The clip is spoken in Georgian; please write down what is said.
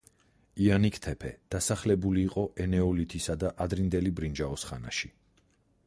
იანიქ-თეფე დასახლებული იყო ენეოლითისა და ადრინდელი ბრინჯაოს ხანში.